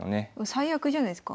最悪じゃないすか。